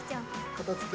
片付け。